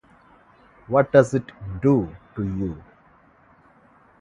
What does it "do" to you?